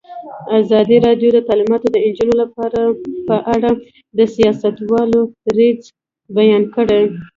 ازادي راډیو د تعلیمات د نجونو لپاره په اړه د سیاستوالو دریځ بیان کړی.